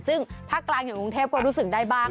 ซึ่งภาคกลางอยู่กรุงเทพก็รู้สึกได้บ้าง